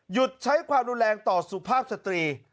หยุดใช้ความดูแลงต่อสภาพสตรี